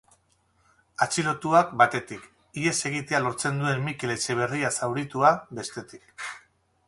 Atxilotuak, batetik, ihes egitea lortzen duen Mikel Etxeberria zauritua, bestetik.